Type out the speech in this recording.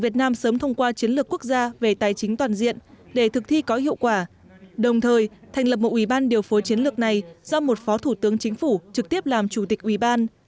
đồng thời thành lập một ủy ban điều phối chiến lược này do một phó thủ tướng chính phủ trực tiếp làm chủ tịch ủy ban